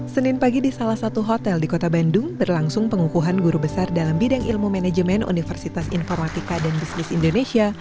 senin pagi di salah satu hotel di kota bandung berlangsung pengukuhan guru besar dalam bidang ilmu manajemen universitas informatika dan bisnis indonesia